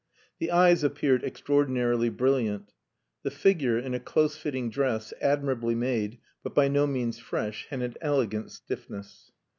The eyes appeared extraordinarily brilliant. The figure, in a close fitting dress, admirably made, but by no means fresh, had an elegant stiffness.